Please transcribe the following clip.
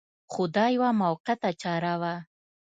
خو دا یوه موقته چاره وه.